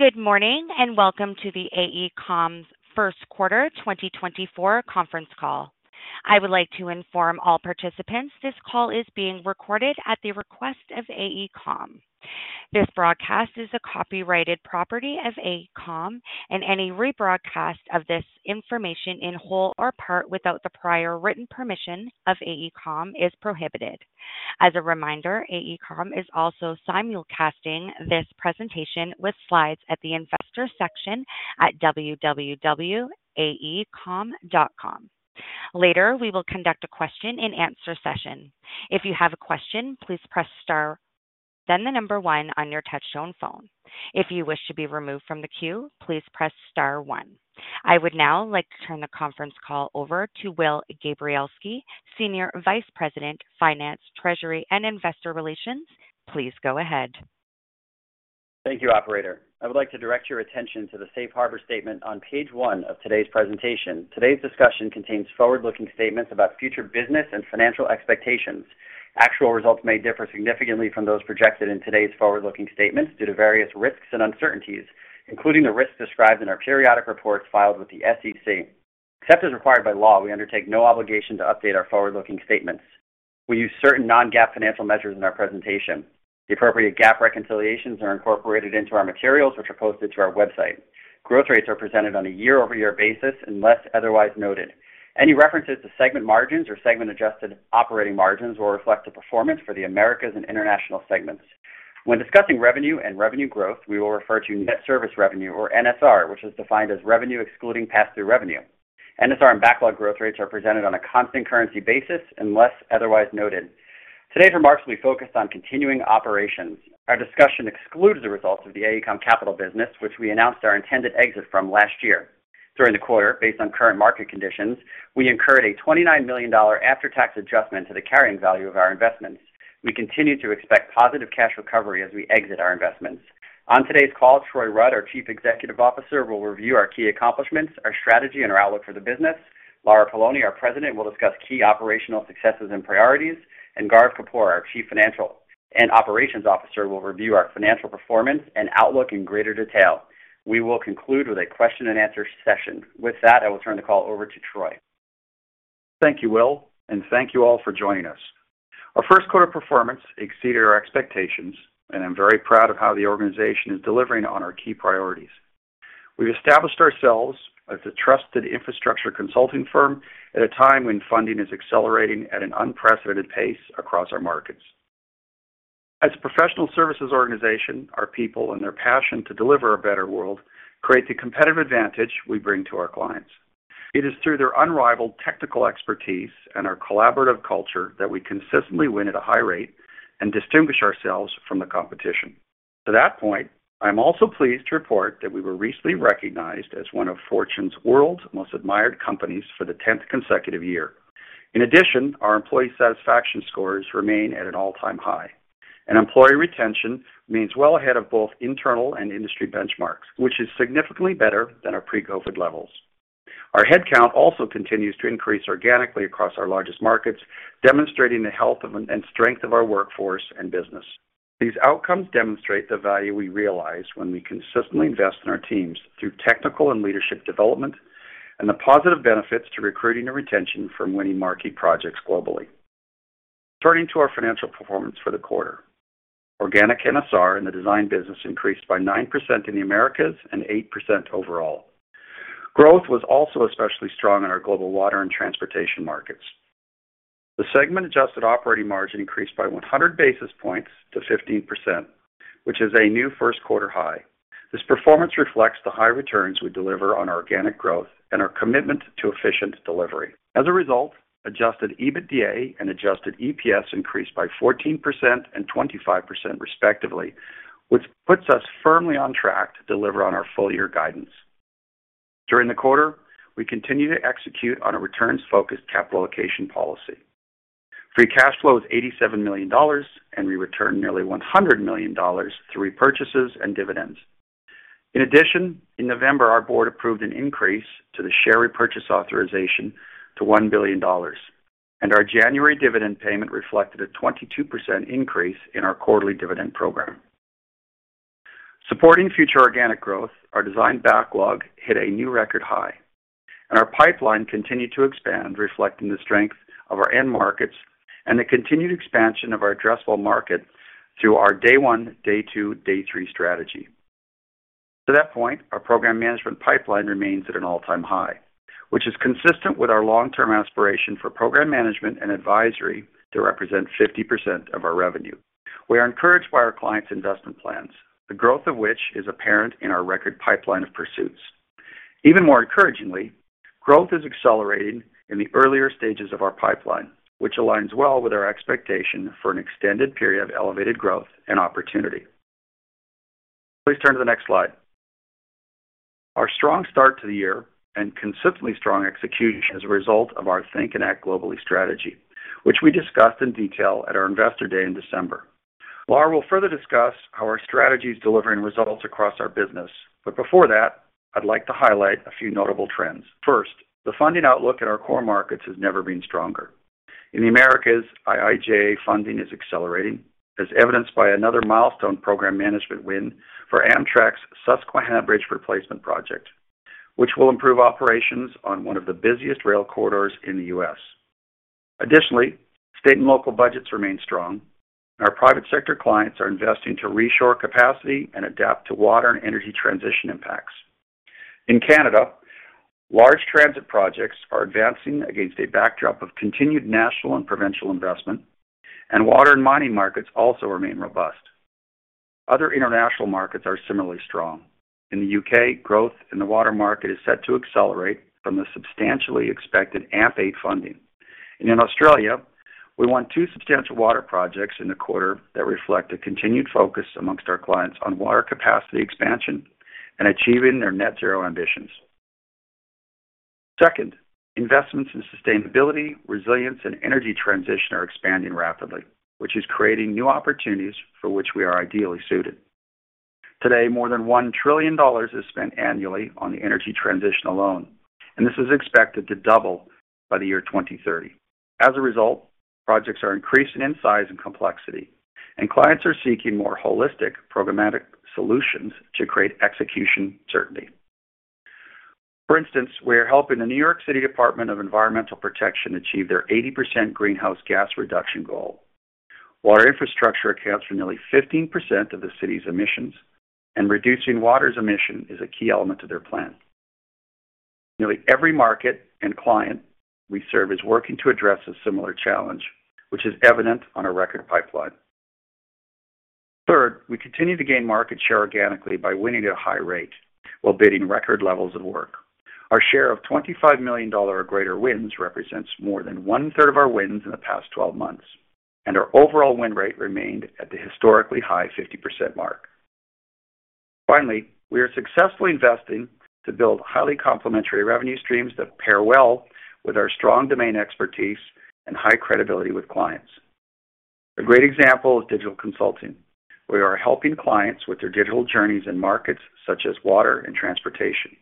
Good morning, and welcome to the AECOM's first quarter 2024 conference call. I would like to inform all participants this call is being recorded at the request of AECOM. This broadcast is a copyrighted property of AECOM, and any rebroadcast of this information in whole or part without the prior written permission of AECOM is prohibited. As a reminder, AECOM is also simulcasting this presentation with slides at the investor section at www.aecom.com. Later, we will conduct a question-and-answer session. If you have a question, please press star, then the number one on your touchtone phone. If you wish to be removed from the queue, please press star one. I would now like to turn the conference call over to Will Gabrielski, Senior Vice President, Finance, Treasury, and Investor Relations. Please go ahead. Thank you, operator. I would like to direct your attention to the Safe harbor statement on page one of today's presentation. Today's discussion contains forward-looking statements about future business and financial expectations. Actual results may differ significantly from those projected in today's forward-looking statements due to various risks and uncertainties, including the risks described in our periodic reports filed with the SEC. Except as required by law, we undertake no obligation to update our forward-looking statements. We use certain non-GAAP financial measures in our presentation. The appropriate GAAP reconciliations are incorporated into our materials, which are posted to our website. Growth rates are presented on a year-over-year basis unless otherwise noted. Any references to segment margins or segment adjusted operating margins will reflect the performance for the Americas and International segments. When discussing revenue and revenue growth, we will refer to net service revenue, or NSR, which is defined as revenue excluding pass-through revenue. NSR and backlog growth rates are presented on a constant currency basis unless otherwise noted. Today's remarks will be focused on continuing operations. Our discussion excludes the results of the AECOM Capital business, which we announced our intended exit from last year. During the quarter, based on current market conditions, we incurred a $29 million after-tax adjustment to the carrying value of our investments. We continue to expect positive cash recovery as we exit our investments. On today's call, Troy Rudd, our Chief Executive Officer, will review our key accomplishments, our strategy, and our outlook for the business. Lara Poloni, our President, will discuss key operational successes and priorities, and Gaurav Kapoor, our Chief Financial and Operations Officer, will review our financial performance and outlook in greater detail. We will conclude with a question-and-answer session. With that, I will turn the call over to Troy. Thank you, Will, and thank you all for joining us. Our first quarter performance exceeded our expectations, and I'm very proud of how the organization is delivering on our key priorities. We've established ourselves as a trusted infrastructure consulting firm at a time when funding is accelerating at an unprecedented pace across our markets. As a professional services organization, our people and their passion to deliver a better world create the competitive advantage we bring to our clients. It is through their unrivaled technical expertise and our collaborative culture that we consistently win at a high rate and distinguish ourselves from the competition. To that point, I'm also pleased to report that we were recently recognized as one of Fortune's World's Most Admired Companies for the tenth consecutive year. In addition, our employee satisfaction scores remain at an all-time high, and employee retention remains well ahead of both internal and industry benchmarks, which is significantly better than our pre-COVID levels. Our headcount also continues to increase organically across our largest markets, demonstrating the health of and strength of our workforce and business. These outcomes demonstrate the value we realize when we consistently invest in our teams through technical and leadership development and the positive benefits to recruiting and retention from winning marquee projects globally. Turning to our financial performance for the quarter. Organic NSR in the design business increased by 9% in the Americas and 8% overall. Growth was also especially strong in our global water and transportation markets. The segment-adjusted operating margin increased by 100 basis points to 15%, which is a new first quarter high. This performance reflects the high returns we deliver on our organic growth and our commitment to efficient delivery. As a result, Adjusted EBITDA and Adjusted EPS increased by 14% and 25%, respectively, which puts us firmly on track to deliver on our full-year guidance. During the quarter, we continued to execute on a returns-focused capital allocation policy. Free cash flow is $87 million, and we returned nearly $100 million through repurchases and dividends. In addition, in November, our board approved an increase to the share repurchase authorization to $1 billion, and our January dividend payment reflected a 22% increase in our quarterly dividend program. Supporting future organic growth, our design backlog hit a new record high, and our pipeline continued to expand, reflecting the strength of our end markets and the continued expansion of our addressable market through our Day 1, Day 2, Day 3 strategy. To that point, our program management pipeline remains at an all-time high, which is consistent with our long-term aspiration for program management and advisory to represent 50% of our revenue. We are encouraged by our clients' investment plans, the growth of which is apparent in our record pipeline of pursuits. Even more encouragingly, growth is accelerating in the earlier stages of our pipeline, which aligns well with our expectation for an extended period of elevated growth and opportunity. Please turn to the next slide. Our strong start to the year and consistently strong execution is a result of our Think and Act Globally Strategy, which we discussed in detail at our Investor Day in December. Lara will further discuss how our strategy is delivering results across our business, but before that, I'd like to highlight a few notable trends. First, the funding outlook at our core markets has never been stronger. In the Americas, IIJA funding is accelerating, as evidenced by another milestone program management win for Amtrak's Susquehanna Bridge Replacement Project, which will improve operations on one of the busiest rail corridors in the U.S. Additionally, state and local budgets remain strong, and our private sector clients are investing to reshore capacity and adapt to water and energy transition impacts. In Canada, large transit projects are advancing against a backdrop of continued national and provincial investment, and water and mining markets also remain robust. Other international markets are similarly strong. In the U.K., growth in the water market is set to accelerate from the substantially expected AMP8 funding. In Australia, we won two substantial water projects in the quarter that reflect a continued focus among our clients on water capacity expansion and achieving their net zero ambitions. Second, investments in sustainability, resilience, and energy transition are expanding rapidly, which is creating new opportunities for which we are ideally suited. Today, more than $1 trillion is spent annually on the energy transition alone, and this is expected to double by the year 2030. As a result, projects are increasing in size and complexity, and clients are seeking more holistic programmatic solutions to create execution certainty. For instance, we are helping the New York City Department of Environmental Protection achieve their 80% greenhouse gas reduction goal. Water infrastructure accounts for nearly 15% of the city's emissions, and reducing water's emission is a key element to their plan. Nearly every market and client we serve is working to address a similar challenge, which is evident on a record pipeline. Third, we continue to gain market share organically by winning at a high rate while bidding record levels of work. Our share of $25 million or greater wins represents more than 1/3 of our wins in the past 12 months, and our overall win rate remained at the historically high 50% mark. Finally, we are successfully investing to build highly complementary revenue streams that pair well with our strong domain expertise and high credibility with clients. A great example is digital consulting, where we are helping clients with their digital journeys in markets such as water and transportation.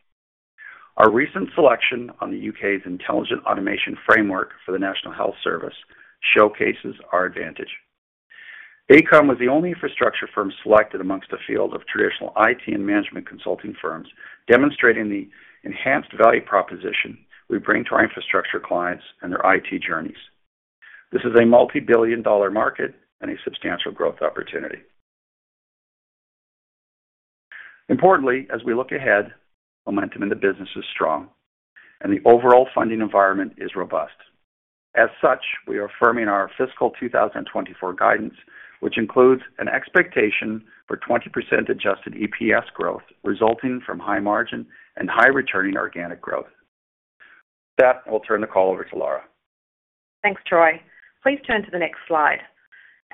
Our recent selection on the UK's Intelligent Automation Framework for the National Health Service showcases our advantage. AECOM was the only infrastructure firm selected amongst a field of traditional IT and management consulting firms, demonstrating the enhanced value proposition we bring to our infrastructure clients and their IT journeys. This is a multibillion-dollar market and a substantial growth opportunity. Importantly, as we look ahead, momentum in the business is strong and the overall funding environment is robust. As such, we are affirming our fiscal 2024 guidance, which includes an expectation for 20% Adjusted EPS growth, resulting from high margin and high returning organic growth. With that, I'll turn the call over to Lara. Thanks, Troy. Please turn to the next slide.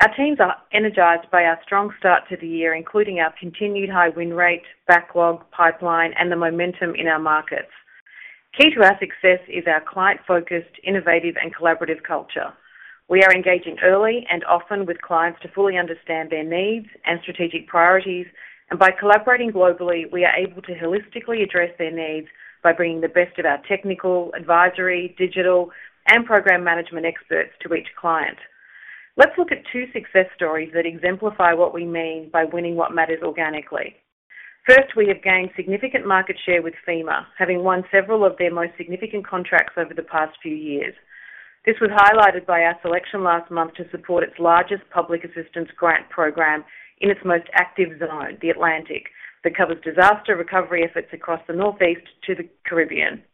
Our teams are energized by our strong start to the year, including our continued high win rate, backlog, pipeline, and the momentum in our markets. Key to our success is our client-focused, innovative, and collaborative culture. We are engaging early and often with clients to fully understand their needs and strategic priorities, and by collaborating globally, we are able to holistically address their needs by bringing the best of our technical, advisory, digital, and program management experts to each client. Let's look at two success stories that exemplify what we mean by winning what matters organically. First, we have gained significant market share with FEMA, having won several of their most significant contracts over the past few years. This was highlighted by our selection last month to support its largest public assistance grant program in its most active zone, the Atlantic, that covers disaster recovery efforts across the Northeast to the Caribbean.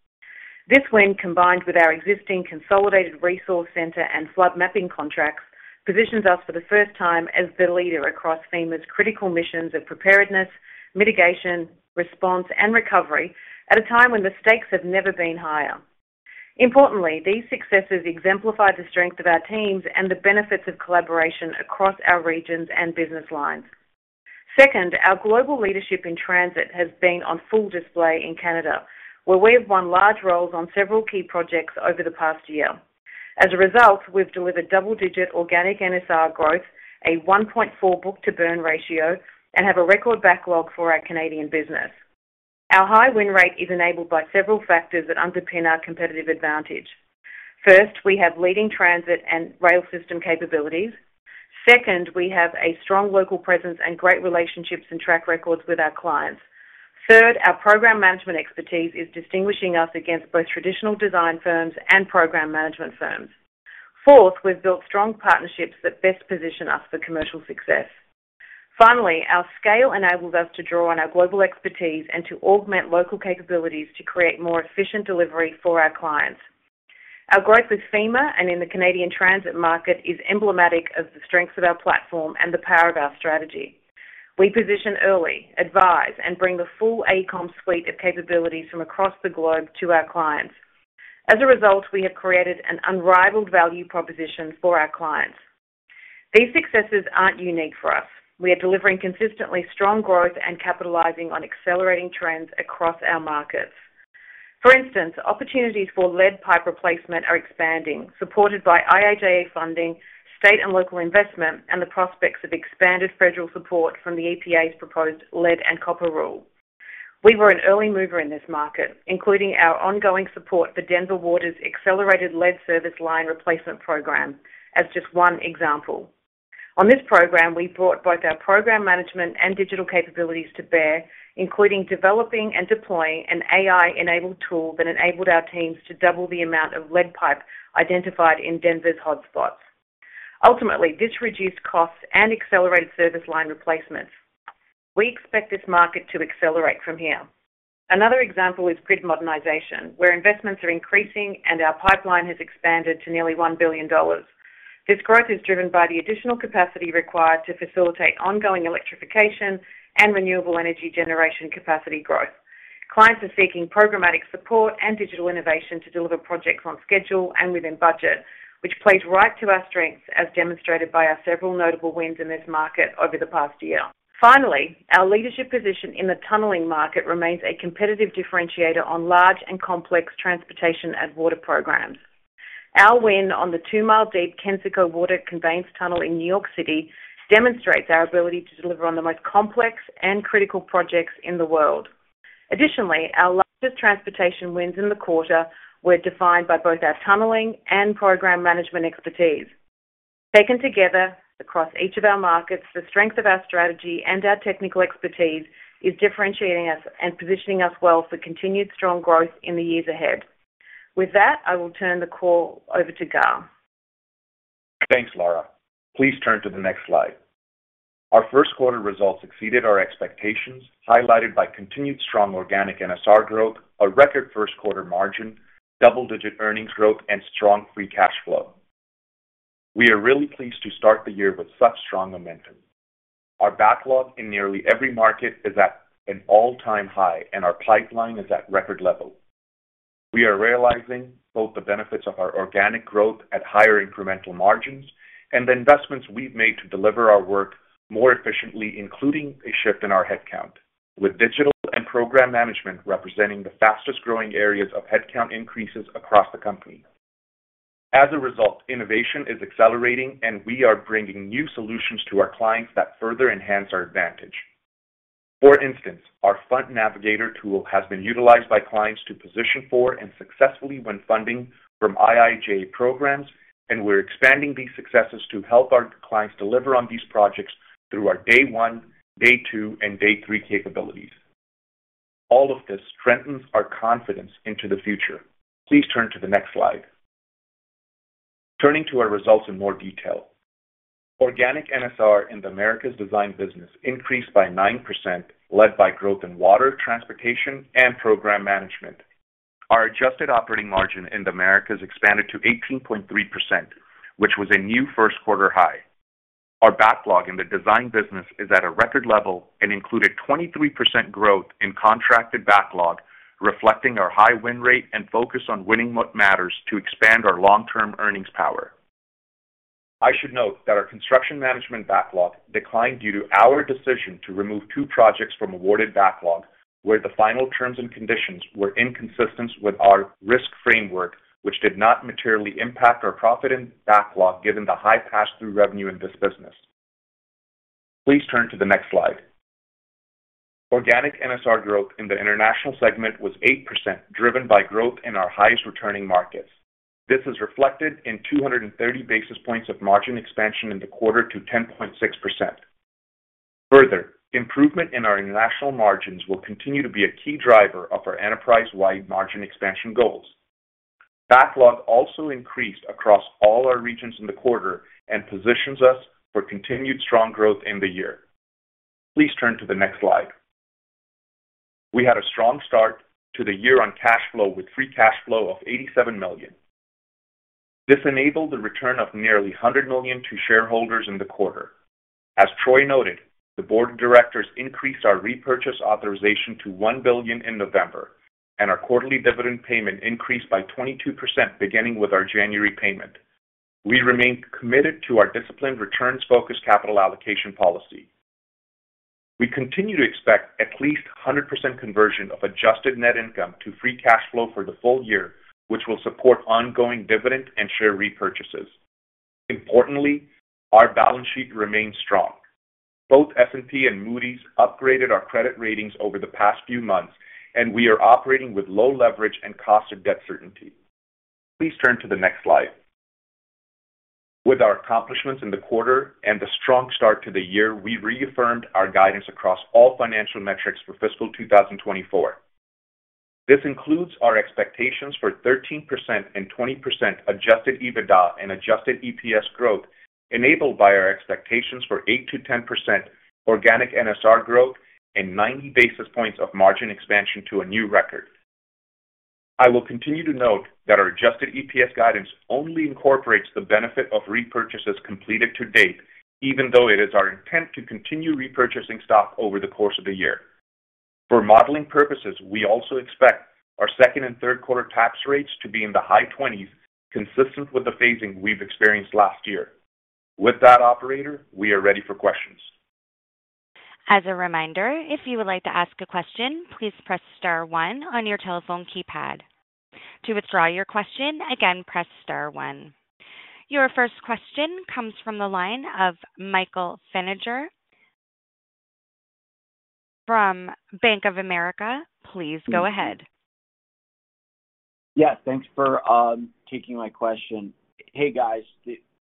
This win, combined with our existing Consolidated Resource Center and flood mapping contracts, positions us for the first time as the leader across FEMA's critical missions of preparedness, mitigation, response, and recovery at a time when the stakes have never been higher. Importantly, these successes exemplify the strength of our teams and the benefits of collaboration across our regions and business lines. Second, our global leadership in transit has been on full display in Canada, where we have won large roles on several key projects over the past year. As a result, we've delivered double-digit organic NSR growth, a 1.4 book-to-burn ratio, and have a record backlog for our Canadian business. Our high win rate is enabled by several factors that underpin our competitive advantage. First, we have leading transit and rail system capabilities. Second, we have a strong local presence and great relationships and track records with our clients. Third, our program management expertise is distinguishing us against both traditional design firms and program management firms. Fourth, we've built strong partnerships that best position us for commercial success. Finally, our scale enables us to draw on our global expertise and to augment local capabilities to create more efficient delivery for our clients. Our growth with FEMA and in the Canadian transit market is emblematic of the strengths of our platform and the power of our strategy. We position early, advise, and bring the full AECOM suite of capabilities from across the globe to our clients. As a result, we have created an unrivaled value proposition for our clients. These successes aren't unique for us. We are delivering consistently strong growth and capitalizing on accelerating trends across our markets. For instance, opportunities for lead pipe replacement are expanding, supported by IIJA funding, state and local investment, and the prospects of expanded federal support from the EPA's proposed Lead and Copper Rule. We were an early mover in this market, including our ongoing support for Denver Water's Accelerated Lead Service Line Replacement Program, as just one example. On this program, we brought both our program management and digital capabilities to bear, including developing and deploying an AI-enabled tool that enabled our teams to double the amount of lead pipe identified in Denver's hotspots. Ultimately, this reduced costs and accelerated service line replacements. We expect this market to accelerate from here. Another example is grid modernization, where investments are increasing and our pipeline has expanded to nearly $1 billion. This growth is driven by the additional capacity required to facilitate ongoing electrification and renewable energy generation capacity growth. Clients are seeking programmatic support and digital innovation to deliver projects on schedule and within budget, which plays right to our strengths, as demonstrated by our several notable wins in this market over the past year. Finally, our leadership position in the tunneling market remains a competitive differentiator on large and complex transportation and water programs. Our win on the two-mile-deep Kensico Water Conveyance Tunnel in New York City demonstrates our ability to deliver on the most complex and critical projects in the world. Additionally, our largest transportation wins in the quarter were defined by both our tunneling and program management expertise. Taken together across each of our markets, the strength of our strategy and our technical expertise is differentiating us and positioning us well for continued strong growth in the years ahead. With that, I will turn the call over to Gaurav. Thanks, Lara. Please turn to the next slide. Our first quarter results exceeded our expectations, highlighted by continued strong organic NSR growth, a record first quarter margin, double-digit earnings growth, and strong free cash flow. We are really pleased to start the year with such strong momentum. Our backlog in nearly every market is at an all-time high, and our pipeline is at record levels. We are realizing both the benefits of our organic growth at higher incremental margins and the investments we've made to deliver our work more efficiently, including a shift in our headcount, with digital and program management representing the fastest-growing areas of headcount increases across the company. As a result, innovation is accelerating, and we are bringing new solutions to our clients that further enhance our advantage. For instance, our Fund Navigator tool has been utilized by clients to position for and successfully win funding from IIJA programs, and we're expanding these successes to help our clients deliver on these projects through our Day 1, Day 2, and Day 3 capabilities. All of this strengthens our confidence into the future. Please turn to the next slide. Turning to our results in more detail. Organic NSR in the Americas design business increased by 9%, led by growth in water, transportation, and program management. Our adjusted operating margin in the Americas expanded to 18.3%, which was a new first quarter high. Our backlog in the design business is at a record level and included 23% growth in contracted backlog, reflecting our high win rate and focus on winning what matters to expand our long-term earnings power. I should note that our Construction Management backlog declined due to our decision to remove two projects from awarded backlog, where the final terms and conditions were inconsistent with our risk framework, which did not materially impact our profit and backlog, given the high pass-through revenue in this business. Please turn to the next slide. Organic NSR growth in the international segment was 8%, driven by growth in our highest-returning markets. This is reflected in 230 basis points of margin expansion in the quarter to 10.6%. Further, improvement in our international margins will continue to be a key driver of our enterprise-wide margin expansion goals. Backlog also increased across all our regions in the quarter and positions us for continued strong growth in the year. Please turn to the next slide. We had a strong start to the year on cash flow with free cash flow of $87 million. This enabled the return of nearly $100 million to shareholders in the quarter. As Troy noted, the board of directors increased our repurchase authorization to $1 billion in November, and our quarterly dividend payment increased by 22% beginning with our January payment. We remain committed to our disciplined returns-focused capital allocation policy. We continue to expect at least 100% conversion of adjusted net income to free cash flow for the full year, which will support ongoing dividend and share repurchases. Importantly, our balance sheet remains strong. Both S&P and Moody's upgraded our credit ratings over the past few months, and we are operating with low leverage and cost of debt certainty. Please turn to the next slide. With our accomplishments in the quarter and the strong start to the year, we reaffirmed our guidance across all financial metrics for fiscal 2024. This includes our expectations for 13% and 20% Adjusted EBITDA and Adjusted EPS growth, enabled by our expectations for 8%-10% organic NSR growth and 90 basis points of margin expansion to a new record. I will continue to note that our Adjusted EPS guidance only incorporates the benefit of repurchases completed to date, even though it is our intent to continue repurchasing stock over the course of the year. For modeling purposes, we also expect our second and third quarter tax rates to be in the high 20s, consistent with the phasing we've experienced last year. With that, operator, we are ready for questions. As a reminder, if you would like to ask a question, please press star one on your telephone keypad. To withdraw your question, again, press star one. Your first question comes from the line of Michael Feniger from Bank of America. Please go ahead. Yeah, thanks for taking my question. Hey, guys.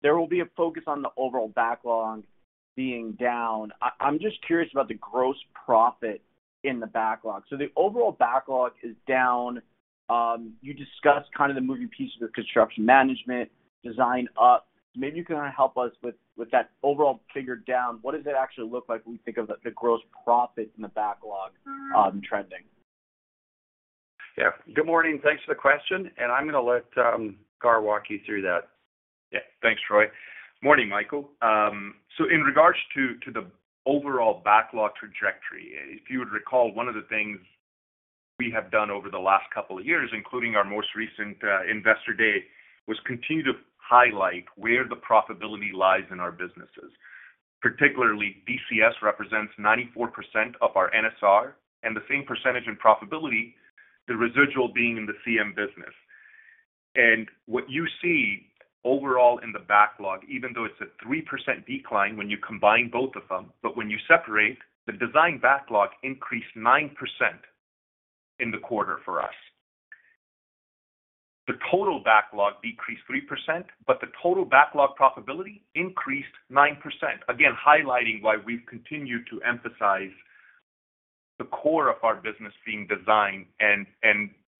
There will be a focus on the overall backlog being down. I'm just curious about the gross profit in the backlog. So the overall backlog is down. You discussed kind of the moving pieces of Construction Management, design up. Maybe you can help us with that overall figure down. What does it actually look like when we think of the gross profit in the backlog trending? Yeah. Good morning. Thanks for the question, and I'm gonna let Gaur walk you through that. Yeah. Thanks, Troy. Morning, Michael. So in regards to the overall backlog trajectory, if you would recall, one of the things we have done over the last couple of years, including our most recent investor day, was continue to highlight where the profitability lies in our businesses. Particularly, DCS represents 94% of our NSR and the same percentage in profitability, the residual being in the CM business. And what you see overall in the backlog, even though it's a 3% decline when you combine both of them, but when you separate, the design backlog increased 9% in the quarter for us. The total backlog decreased 3%, but the total backlog profitability increased 9%. Again, highlighting why we've continued to emphasize the core of our business being design and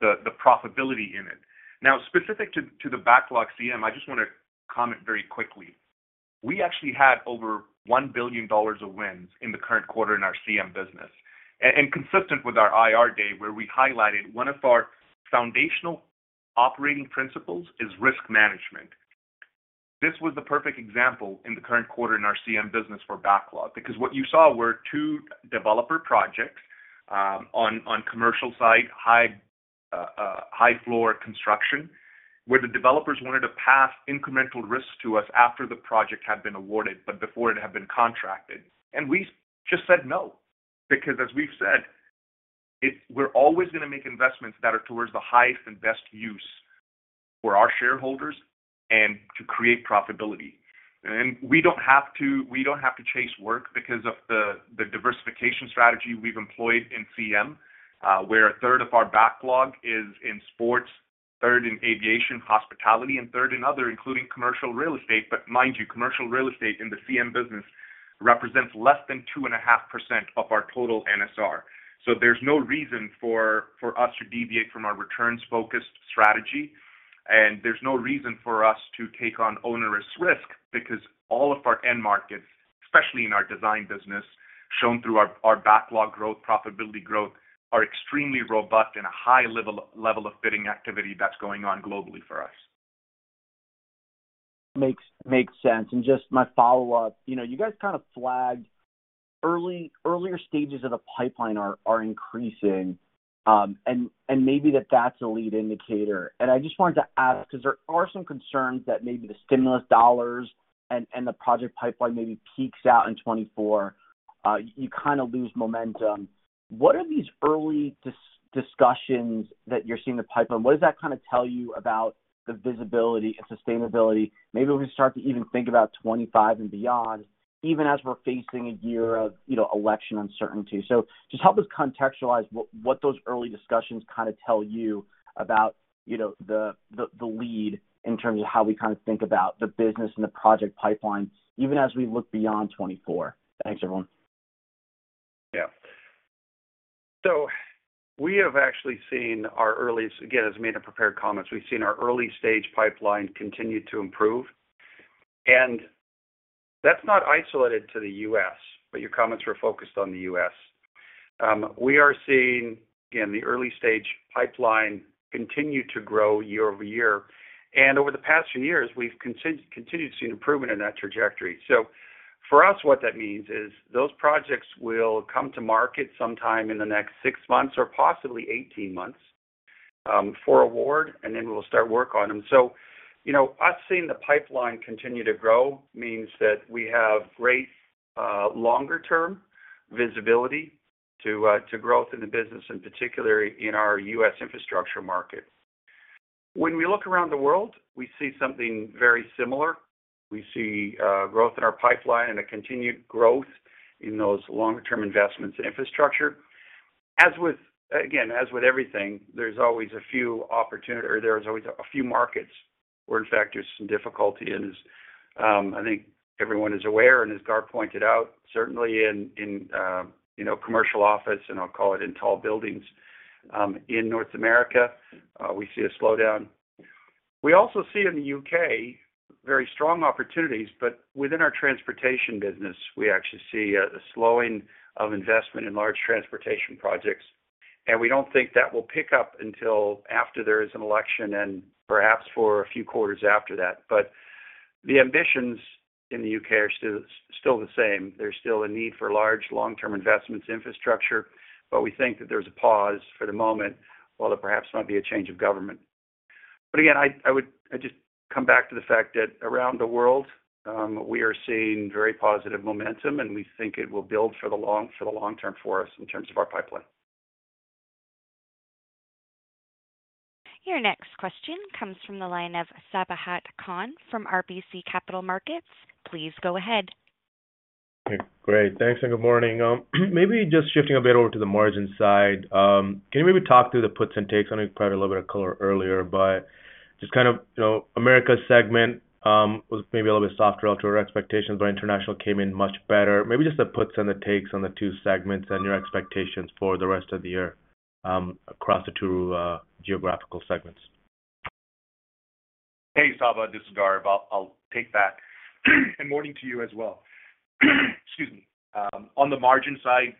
the profitability in it. Now, specific to the backlog CM, I just wanna comment very quickly. We actually had over $1 billion of wins in the current quarter in our CM business. And consistent with our IR day, where we highlighted one of our foundational operating principles is risk management. This was the perfect example in the current quarter in our CM business for backlog, because what you saw were two developer projects on commercial site high floor construction, where the developers wanted to pass incremental risk to us after the project had been awarded but before it had been contracted. And we just said no, because as we've said, we're always gonna make investments that are towards the highest and best use for our shareholders and to create profitability. And we don't have to, we don't have to chase work because of the diversification strategy we've employed in CM, where 1/3 of our backlog is in sports, 1/3 in aviation, hospitality, and 1/3 in other, including commercial real estate. But mind you, commercial real estate in the CM business represents less than 2.5% of our total NSR. So there's no reason for us to deviate from our returns-focused strategy, and there's no reason for us to take on onerous risk, because all of our end markets, especially in our design business, shown through our backlog growth, profitability growth, are extremely robust and a high level of bidding activity that's going on globally for us. Makes sense. Just my follow-up, you know, you guys kind of flagged earlier stages of the pipeline are increasing, and maybe that's a lead indicator. And I just wanted to ask, because there are some concerns that maybe the stimulus dollars and the project pipeline maybe peaks out in 2024, you kind of lose momentum. What are these early discussions that you're seeing in the pipeline? What does that kind of tell you about the visibility and sustainability? Maybe we start to even think about 2025 and beyond, even as we're facing a year of, you know, election uncertainty. So just help us contextualize what those early discussions kind of tell you about, you know, the lead in terms of how we kind of think about the business and the project pipeline, even as we look beyond 2024. Thanks, everyone. Yeah. So we have actually seen. Again, as Mano prepared comments, we've seen our early-stage pipeline continue to improve, and that's not isolated to the U.S., but your comments were focused on the U.S. We are seeing, again, the early-stage pipeline continue to grow year-over-year, and over the past few years, we've continued to see an improvement in that trajectory. So for us, what that means is those projects will come to market sometime in the next six months or possibly 18 months for award, and then we'll start work on them. So, you know, us seeing the pipeline continue to grow means that we have great longer-term visibility to growth in the business, in particular in our U.S. infrastructure market. When we look around the world, we see something very similar. We see growth in our pipeline and a continued growth in those longer-term investments in infrastructure. As with, again, as with everything, there's always a few markets where, in fact, there's some difficulty in this. I think everyone is aware, and as Gaur pointed out, certainly in commercial office, and I'll call it in tall buildings, in North America, we see a slowdown. We also see in the UK, very strong opportunities, but within our transportation business, we actually see a slowing of investment in large transportation projects, and we don't think that will pick up until after there is an election and perhaps for a few quarters after that. But the ambitions in the UK are still the same. There's still a need for large long-term investments infrastructure, but we think that there's a pause for the moment, while there perhaps might be a change of government. But again, I would just come back to the fact that around the world, we are seeing very positive momentum, and we think it will build for the long, for the long term for us in terms of our pipeline. Your next question comes from the line of Sabahat Khan from RBC Capital Markets. Please go ahead. Great. Thanks, and good morning. Maybe just shifting a bit over to the margin side. Can you maybe talk through the puts and takes? I know you provided a little bit of color earlier, but just kind of, you know, Americas segment was maybe a little bit softer relative to our expectations, but International came in much better. Maybe just the puts and the takes on the two segments and your expectations for the rest of the year across the two geographical segments. Hey, Saba, this is Gaurav. I'll take that. And morning to you as well. Excuse me. On the margin side,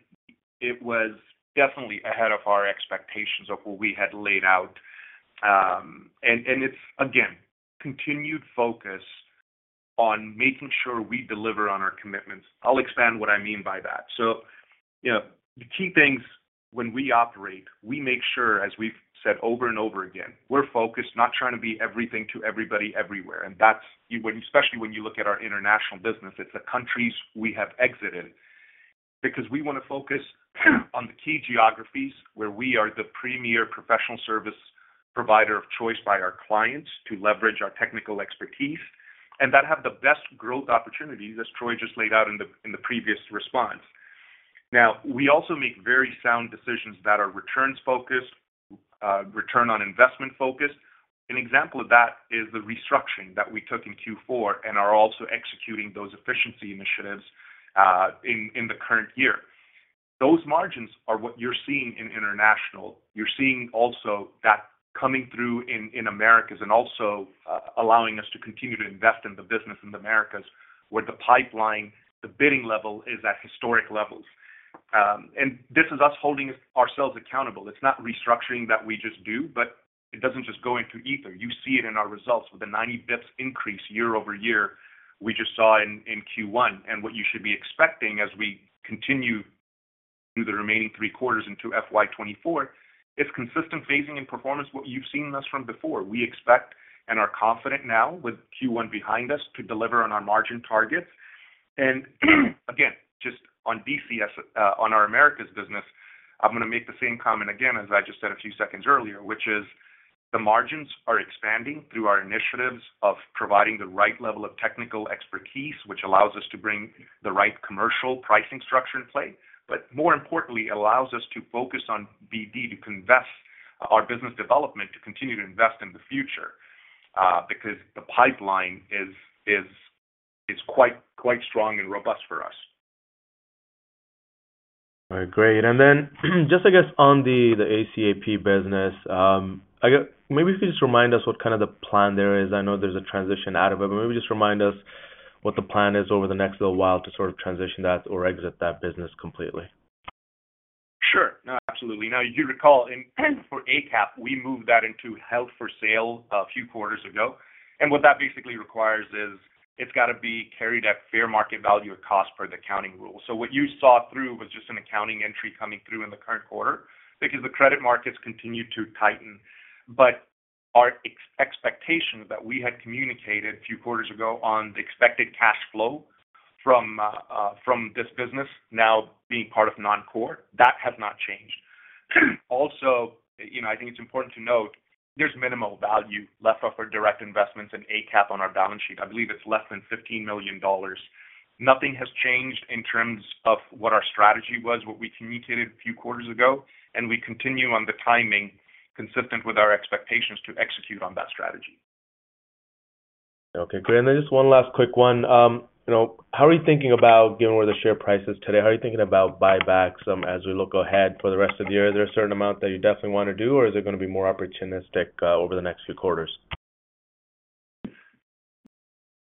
it was definitely ahead of our expectations of what we had laid out. And it's again continued focus on making sure we deliver on our commitments. I'll expand what I mean by that. So, you know, the key things when we operate, we make sure, as we've said over and over again, we're focused, not trying to be everything to everybody, everywhere. And that's when especially when you look at our international business, it's the countries we have exited. Because we wanna focus on the key geographies where we are the premier professional service provider of choice by our clients to leverage our technical expertise, and that have the best growth opportunities, as Troy just laid out in the previous response. Now, we also make very sound decisions that are returns-focused, return on investment focused. An example of that is the restructuring that we took in Q4 and are also executing those efficiency initiatives in the current year. Those margins are what you're seeing in International. You're seeing also that coming through in Americas and also allowing us to continue to invest in the business in the Americas, where the pipeline, the bidding level, is at historic levels. And this is us holding ourselves accountable. It's not restructuring that we just do, but it doesn't just go into ether. You see it in our results with a 90 basis points increase year-over-year, we just saw in Q1. What you should be expecting as we continue through the remaining three quarters into FY 2024, is consistent phasing and performance, what you've seen us from before. We expect and are confident now with Q1 behind us, to deliver on our margin targets. And again, just on BCS, on our Americas business, I'm gonna make the same comment again, as I just said a few seconds earlier, which is the margins are expanding through our initiatives of providing the right level of technical expertise, which allows us to bring the right commercial pricing structure in play, but more importantly, allows us to focus on BD, to invest our business development, to continue to invest in the future, because the pipeline is quite strong and robust for us. All right, great. And then, just, I guess, on the ACAP business, maybe if you just remind us what kind of the plan there is. I know there's a transition out of it, but maybe just remind us what the plan is over the next little while to sort of transition that or exit that business completely. Sure. No, absolutely. Now, you recall, in for ACAP, we moved that into held for sale a few quarters ago, and what that basically requires is, it's got to be carried at fair market value or cost per the accounting rule. So what you saw through was just an accounting entry coming through in the current quarter because the credit markets continued to tighten. But our expectation that we had communicated a few quarters ago on the expected cash flow from this business now being part of non-core, that has not changed. Also, you know, I think it's important to note there's minimal value left of our direct investments in ACAP on our balance sheet. I believe it's less than $15 million. Nothing has changed in terms of what our strategy was, what we communicated a few quarters ago, and we continue on the timing consistent with our expectations to execute on that strategy. Okay, great. And then just one last quick one. You know, how are you thinking about, given where the share price is today, how are you thinking about buybacks, as we look ahead for the rest of the year? Is there a certain amount that you definitely want to do, or is it gonna be more opportunistic, over the next few quarters?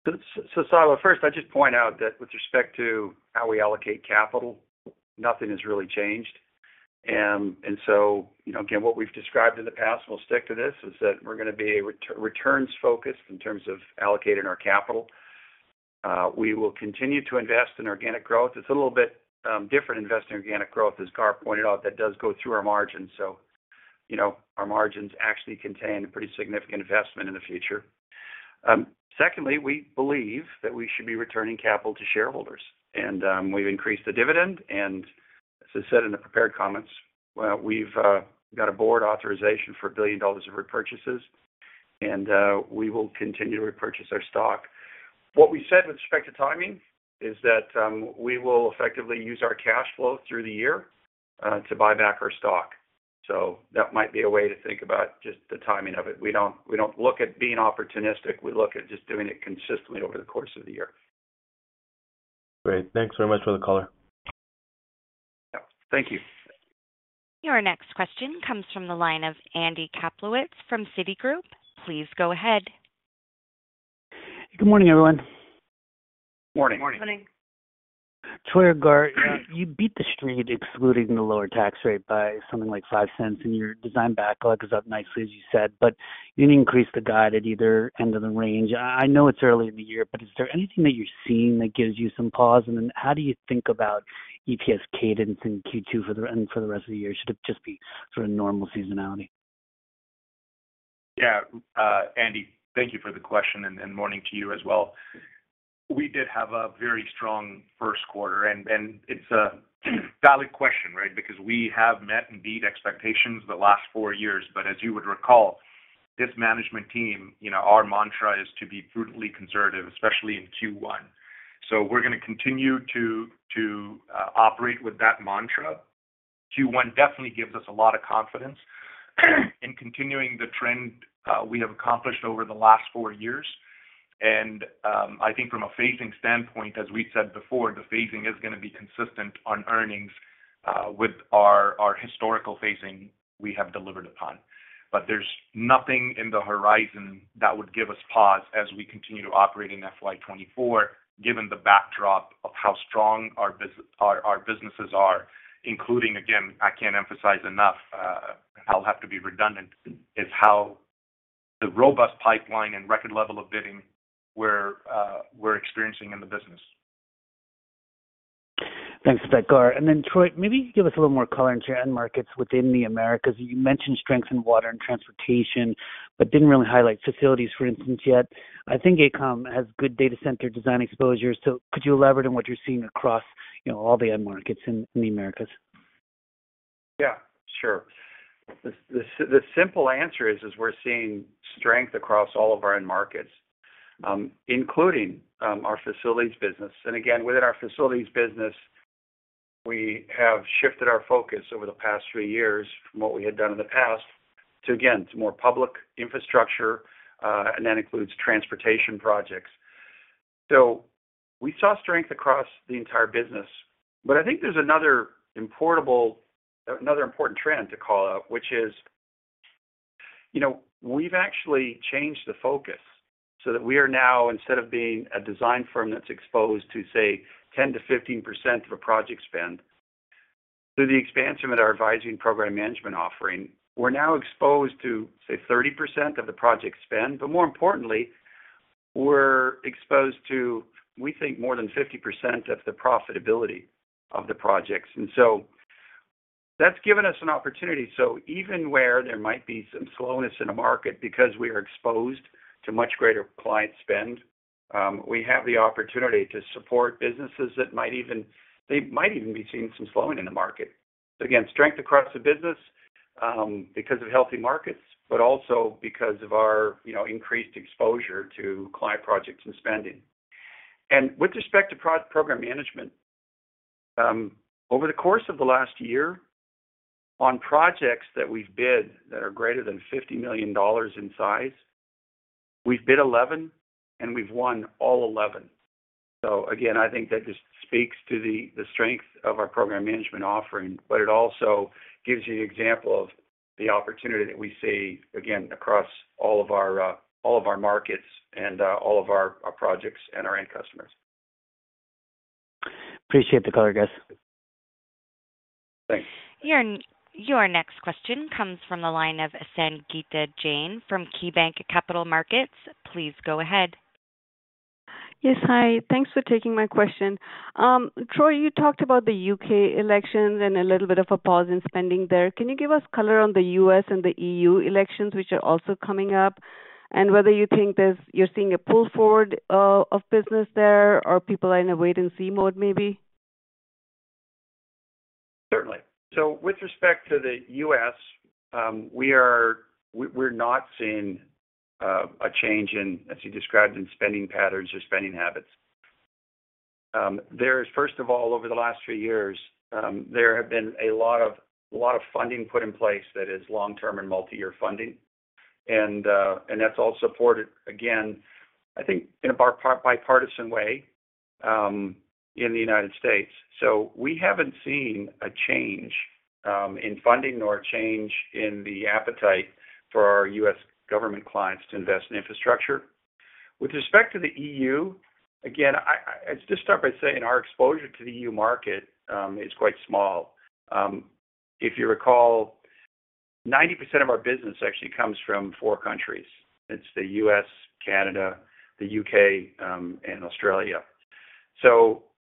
So, Saba, first, I'd just point out that with respect to how we allocate capital, nothing has really changed. And so, you know, again, what we've described in the past, we'll stick to this, is that we're gonna be returns focused in terms of allocating our capital. We will continue to invest in organic growth. It's a little bit different, investing in organic growth, as Gaur pointed out, that does go through our margins. So you know, our margins actually contain a pretty significant investment in the future. Secondly, we believe that we should be returning capital to shareholders, and we've increased the dividend. And as I said in the prepared comments, we've got a board authorization for $1 billion of repurchases, and we will continue to repurchase our stock. What we said with respect to timing is that we will effectively use our cash flow through the year to buy back our stock. So that might be a way to think about just the timing of it. We don't, we don't look at being opportunistic. We look at just doing it consistently over the course of the year. Great. Thanks very much for the color. Yeah. Thank you. Your next question comes from the line of Andy Kaplowitz from Citigroup. Please go ahead. Good morning, everyone. Morning. Morning. Troy or Gaurav, you beat the street, excluding the lower tax rate by something like $0.05, and your design backlog is up nicely, as you said, but you didn't increase the guide at either end of the range. I, I know it's early in the year, but is there anything that you're seeing that gives you some pause? And then how do you think about EPS cadence in Q2 for the, and for the rest of the year? Should it just be sort of normal seasonality? Yeah, Andy, thank you for the question, and morning to you as well. We did have a very strong first quarter, and it's a valid question, right? Because we have met and beat expectations the last four years. But as you would recall, this management team, you know, our mantra is to be brutally conservative, especially in Q1. So we're gonna continue to operate with that mantra. Q1 definitely gives us a lot of confidence in continuing the trend we have accomplished over the last four years. And I think from a phasing standpoint, as we said before, the phasing is gonna be consistent on earnings with our historical phasing we have delivered upon. But there's nothing in the horizon that would give us pause as we continue to operate in FY 2024, given the backdrop of how strong our businesses are, including, again, I can't emphasize enough, I'll have to be redundant, is how the robust pipeline and record level of bidding we're experiencing in the business. Thanks for that, Gaur. And then, Troy, maybe give us a little more color into your end markets within the Americas. You mentioned strength in water and transportation, but didn't really highlight facilities, for instance, yet. I think AECOM has good data center design exposure. So could you elaborate on what you're seeing across, you know, all the end markets in, in the Americas? Yeah, sure. The simple answer is, we're seeing strength across all of our end markets, including, our facilities business. And again, within our facilities business, we have shifted our focus over the past three years from what we had done in the past to, again, to more public infrastructure, and that includes transportation projects. So we saw strength across the entire business. But I think there's another important trend to call out, which is, you know, we've actually changed the focus so that we are now, instead of being a design firm that's exposed to, say, 10%-15% of a project spend, through the expansion of our advising program management offering, we're now exposed to, say, 30% of the project spend. More importantly, we're exposed to, we think, more than 50% of the profitability of the projects. That's given us an opportunity. Even where there might be some slowness in the market, because we are exposed to much greater client spend, we have the opportunity to support businesses that might even, they might even be seeing some slowing in the market. Again, strength across the business, because of healthy markets, but also because of our, you know, increased exposure to client projects and spending. With respect to program management, over the course of the last year, on projects that we've bid that are greater than $50 million in size, we've bid 11, and we've won all 11. So again, I think that just speaks to the strength of our program management offering, but it also gives you an example of the opportunity that we see, again, across all of our markets and all of our projects and our end customers. Appreciate the color, guys. Thanks. Your next question comes from the line of Sangita Jain from KeyBanc Capital Markets. Please go ahead. Yes. Hi, thanks for taking my question. Troy, you talked about the U.K. elections and a little bit of a pause in spending there. Can you give us color on the U.S. and the E.U. elections, which are also coming up, and whether you think there's, you're seeing a pull forward of business there, or people are in a wait-and-see mode, maybe? Certainly. So with respect to the US, we're not seeing a change in, as you described, in spending patterns or spending habits. There is, first of all, over the last few years, there have been a lot of funding put in place that is long-term and multi-year funding. And that's all supported, again, I think, in a bipartisan way in the United States. So we haven't seen a change in funding or a change in the appetite for our US government clients to invest in infrastructure. With respect to the EU, again, I just start by saying our exposure to the EU market is quite small. If you recall, 90% of our business actually comes from four countries. It's the US, Canada, the UK, and Australia.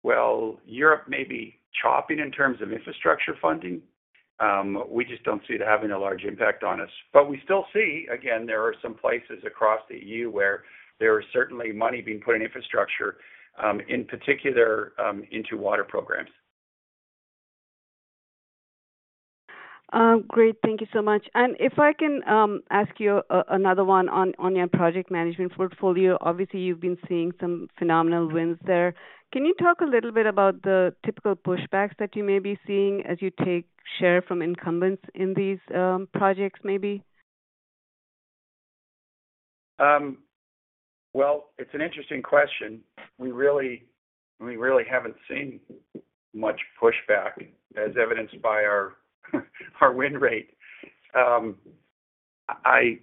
While Europe may be chopping in terms of infrastructure funding, we just don't see it having a large impact on us. But we still see, again, there are some places across the EU where there is certainly money being put in infrastructure, in particular, into water programs. Great. Thank you so much. If I can ask you another one on your project management portfolio. Obviously, you've been seeing some phenomenal wins there. Can you talk a little bit about the typical pushbacks that you may be seeing as you take share from incumbents in these projects, maybe? Well, it's an interesting question. We really, we really haven't seen much pushback, as evidenced by our win rate. I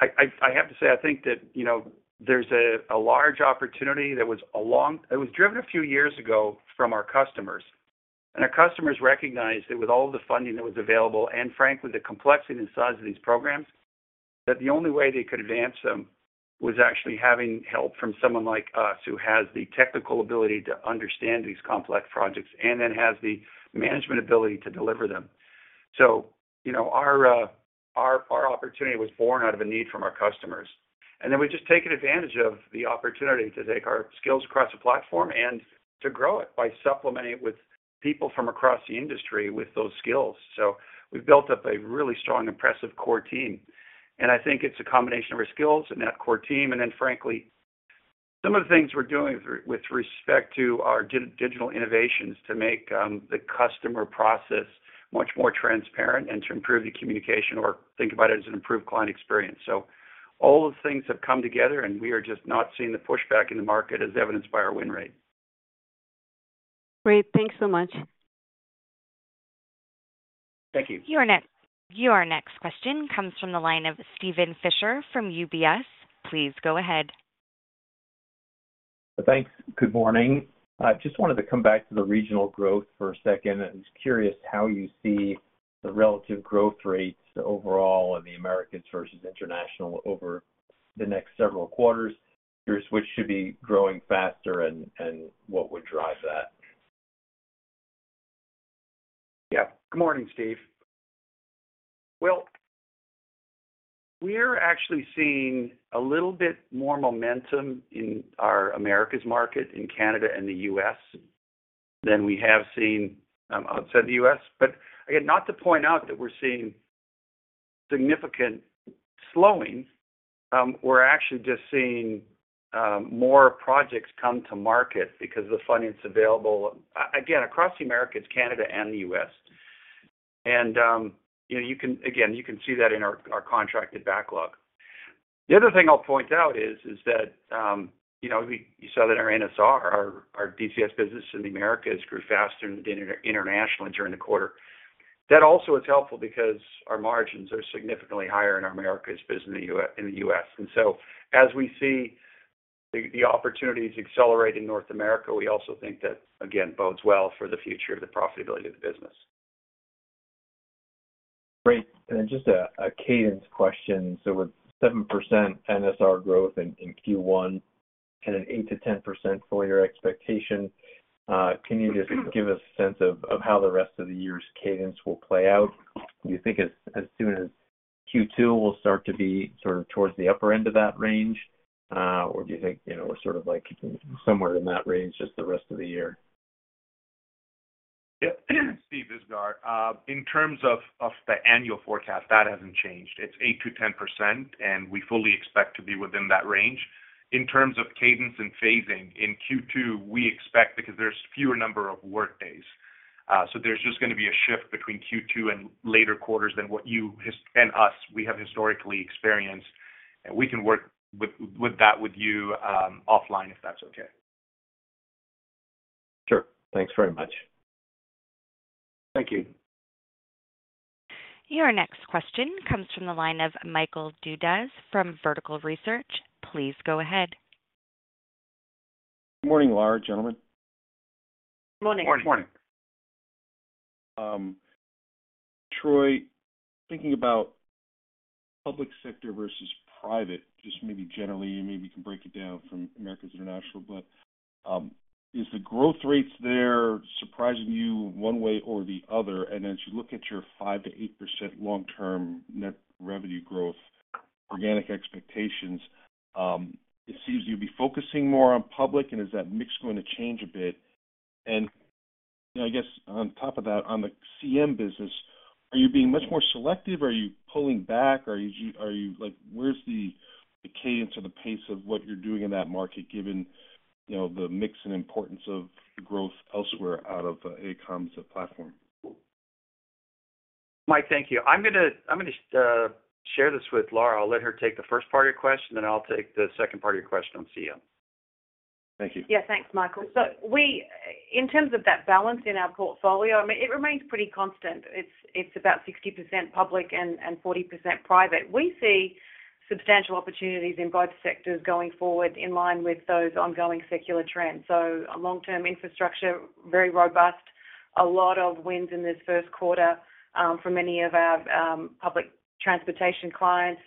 have to say, I think that, you know, there's a large opportunity that was driven a few years ago from our customers. Our customers recognized that with all the funding that was available, and frankly, the complexity and size of these programs, that the only way they could advance them was actually having help from someone like us, who has the technical ability to understand these complex projects and then has the management ability to deliver them. So, you know, our opportunity was born out of a need from our customers. And then we've just taken advantage of the opportunity to take our skills across the platform and to grow it by supplementing it with people from across the industry with those skills. So we've built up a really strong, impressive core team, and I think it's a combination of our skills and that core team. And then frankly, some of the things we're doing with respect to our digital innovations, to make the customer process much more transparent and to improve the communication, or think about it as an improved client experience. So all those things have come together, and we are just not seeing the pushback in the market, as evidenced by our win rate. Great. Thanks so much. Thank you. Your next question comes from the line of Steven Fisher from UBS. Please go ahead. Thanks. Good morning. I just wanted to come back to the regional growth for a second. I was curious how you see the relative growth rates overall in the Americas versus international over the next several quarters. Curious which should be growing faster and what would drive that? Yeah. Good morning, Steve. Well, we're actually seeing a little bit more momentum in our Americas market, in Canada and the U.S., than we have seen outside the U.S. But again, not to point out that we're seeing significant slowing. We're actually just seeing more projects come to market because the funding is available, again, across the Americas, Canada, and the U.S. And, you know, you can. Again, you can see that in our contracted backlog. The other thing I'll point out is that, you know, you saw that our NSR, our DCS business in the Americas grew faster than internationally during the quarter. That also is helpful because our margins are significantly higher in our Americas business in the U.S. And so as we see the opportunities accelerate in North America, we also think that, again, bodes well for the future of the profitability of the business. Great. And just a cadence question. So with 7% NSR growth in Q1 and an 8%-10% full year expectation, can you just give a sense of how the rest of the year's cadence will play out? Do you think as soon as Q2 will start to be sort of towards the upper end of that range? Or do you think, you know, we're sort of, like, somewhere in that range, just the rest of the year? Yeah. Steve, this is Gaur. In terms of the annual forecast, that hasn't changed. It's 8%-10%, and we fully expect to be within that range. In terms of cadence and phasing, in Q2, we expect because there's fewer number of workdays, so there's just going to be a shift between Q2 and later quarters than what you and we have historically experienced, and we can work with that with you offline, if that's okay. Sure. Thanks very much. Thank you. Your next question comes from the line of Michael Dudas from Vertical Research. Please go ahead. Good morning, Lara, gentlemen. Good morning. Good morning. Morning. Troy, thinking about public sector versus private, just maybe generally, maybe you can break it down from Americas, International, but, is the growth rates there surprising you one way or the other? And as you look at your 5%-8% long-term net revenue growth, organic expectations, it seems you'd be focusing more on public, and is that mix going to change a bit? And I guess on top of that, on the CM business, are you being much more selective? Are you pulling back, or are you, are you like, where's the cadence or the pace of what you're doing in that market, given, you know, the mix and importance of growth elsewhere out of AECOM's platform? Mike, thank you. I'm gonna share this with Lara. I'll let her take the first part of your question, then I'll take the second part of your question on CM. Thank you. Yeah, thanks, Michael. So we in terms of that balance in our portfolio, I mean, it remains pretty constant. It's about 60% public and 40% private. We see substantial opportunities in both sectors going forward in line with those ongoing secular trends. So long-term infrastructure, very robust. A lot of wins in this first quarter for many of our public transportation clients.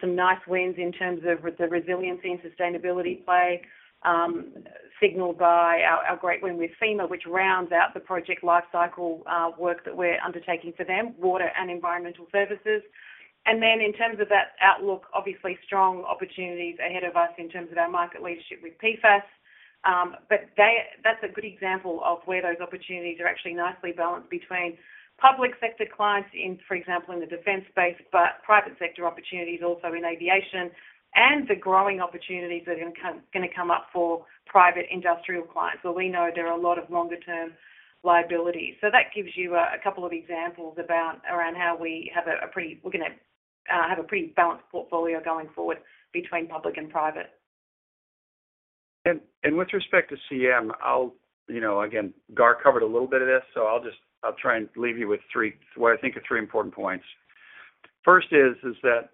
Some nice wins in terms of the resiliency and sustainability play, signaled by our great win with FEMA, which rounds out the project life cycle work that we're undertaking for them, water and environmental services. And then in terms of that outlook, obviously strong opportunities ahead of us in terms of our market leadership with PFAS. But that's a good example of where those opportunities are actually nicely balanced between public sector clients in, for example, in the defense space, but private sector opportunities also in aviation, and the growing opportunities that are gonna come up for private industrial clients, where we know there are a lot of longer-term liabilities. So that gives you a couple of examples about around how we have a pretty. We're gonna have a pretty balanced portfolio going forward between public and private. With respect to CM, I'll, you know, again, Gaurav covered a little bit of this, so I'll just, I'll try and leave you with three, what I think are three important points. First is that,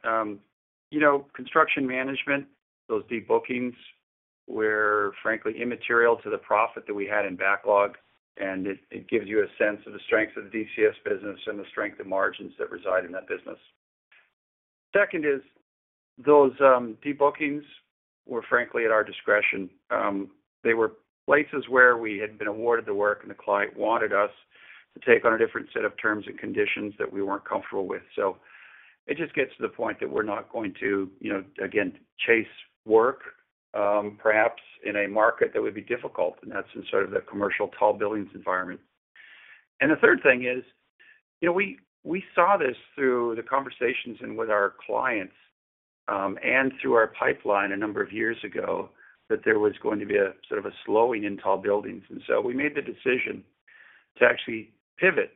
you know, Construction Management, those deep bookings were frankly immaterial to the profit that we had in backlog, and it gives you a sense of the strength of the DCS business and the strength of margins that reside in that business. Second is, those debookings were frankly at our discretion. They were places where we had been awarded the work, and the client wanted us to take on a different set of terms and conditions that we weren't comfortable with. So it just gets to the point that we're not going to, you know, again, chase work, perhaps in a market that would be difficult, and that's in sort of the commercial tall buildings environment. And the third thing is, you know, we saw this through the conversations and with our clients, and through our pipeline a number of years ago, that there was going to be a sort of a slowing in tall buildings. And so we made the decision to actually pivot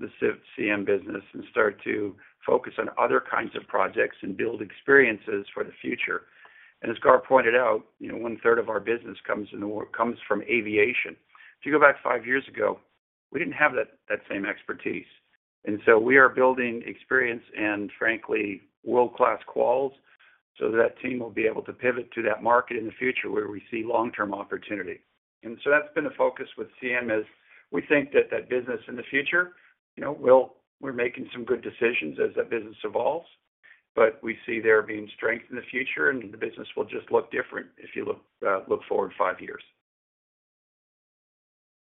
the ivil-CM business and start to focus on other kinds of projects and build experiences for the future. And as Gaurav pointed out, you know, one-third of our business comes from aviation. If you go back five years ago, we didn't have that, that same expertise, and so we are building experience and frankly, world-class quals, so that team will be able to pivot to that market in the future where we see long-term opportunity. And so that's been a focus with CM, is we think that that business in the future, you know, we're making some good decisions as that business evolves, but we see there being strength in the future, and the business will just look different if you look, look forward five years.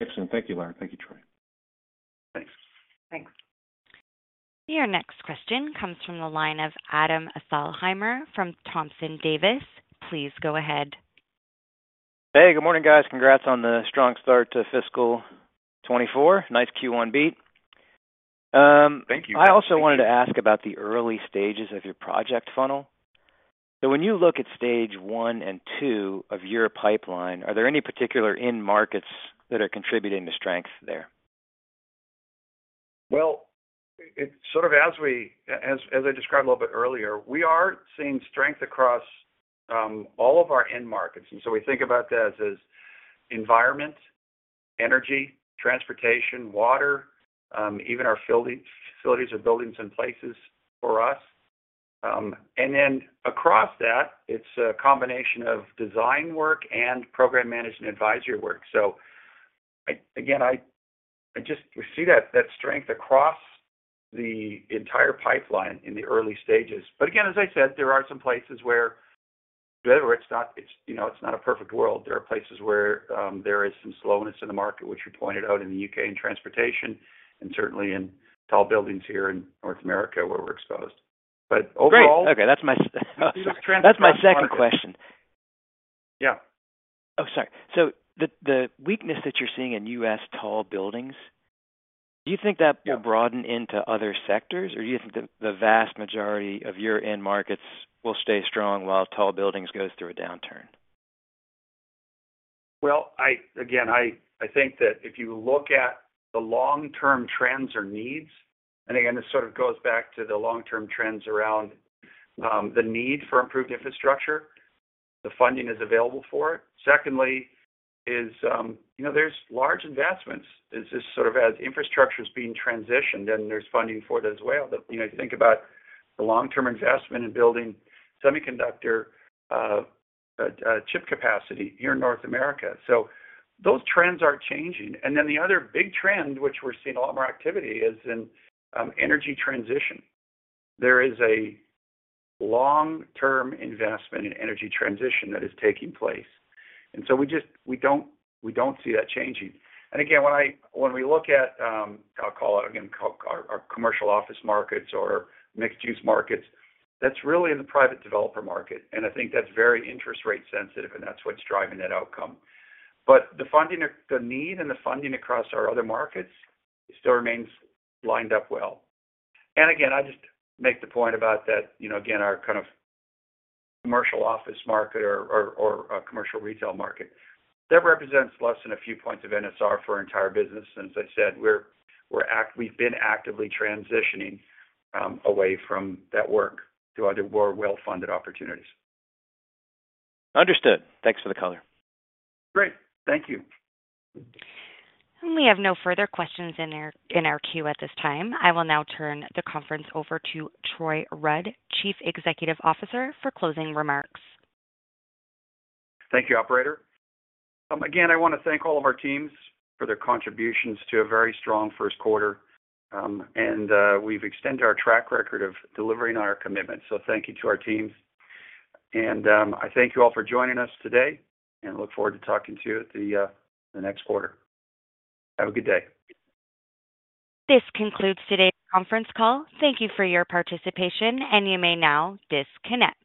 Excellent. Thank you, Lara. Thank you, Troy. Thanks. Thanks. Your next question comes from the line of Adam Thalhimer from Thompson Davis. Please go ahead. Hey, good morning, guys. Congrats on the strong start to fiscal 2024. Nice Q1 beat. Thank you. I also wanted to ask about the early stages of your project funnel. So when you look at stage 1 and 2 of your pipeline, are there any particular end markets that are contributing to strength there? Well, it sort of, as I described a little bit earlier, we are seeing strength across all of our end markets, and so we think about that as environment, energy, transportation, water, even our facilities. Facilities are buildings and places for us. And then across that, it's a combination of design work and program management advisory work. So, again, I just we see that strength across the entire pipeline in the early stages. But again, as I said, there are some places where it's not, you know, it's not a perfect world. There are places where there is some slowness in the market, which you pointed out in the UK, in transportation and certainly in tall buildings here in North America, where we're exposed. But overall- Great. Okay, that's my, that's my second question. Yeah. Oh, sorry. So the weakness that you're seeing in U.S. tall buildings, do you think that. Yeah. Will it broaden into other sectors, or do you think the vast majority of your end markets will stay strong while tall buildings goes through a downturn? Well, I again think that if you look at the long-term trends or needs, and again, this sort of goes back to the long-term trends around the need for improved infrastructure, the funding is available for it. Secondly is, you know, there's large investments. This is sort of as infrastructure is being transitioned, and there's funding for it as well. But, you know, you think about the long-term investment in building semiconductor chip capacity here in North America, so those trends are changing. And then the other big trend, which we're seeing a lot more activity, is in energy transition. There is a long-term investment in energy transition that is taking place, and so we don't see that changing. And again, when we look at, I'll call it again, our commercial office markets or mixed-use markets, that's really in the private developer market, and I think that's very interest rate sensitive, and that's what's driving that outcome. But the funding, the need and the funding across our other markets still remains lined up well. And again, I just make the point about that, you know, again, our kind of commercial office market or a commercial retail market. That represents less than a few points of NSR for our entire business, and as I said, we've been actively transitioning away from that work to other more well-funded opportunities. Understood. Thanks for the color. Great. Thank you. We have no further questions in our queue at this time. I will now turn the conference over to Troy Rudd, Chief Executive Officer, for closing remarks. ThI also wanted to ask about the early stages of your project funnel. So when you look at stage 1 and 2 of your pipeline, are there any particular end markets that are contributing to strength there?ank you, operator. Again, I want to thank all of our teams for their contributions to a very strong first quarter. We've extended our track record of delivering on our commitment. Thank you to our teams, and I thank you all for joining us today and look forward to talking to you at the next quarter. Have a good day. This concludes today's conference call. Thank you for your participation, and you may now disconnect.